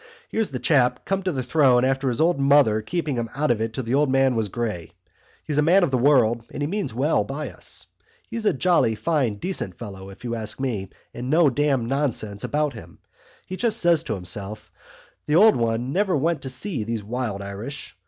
Here's this chap come to the throne after his old mother keeping him out of it till the man was grey. He's a man of the world, and he means well by us. He's a jolly fine decent fellow, if you ask me, and no damn nonsense about him. He just says to himself: 'The old one never went to see these wild Irish.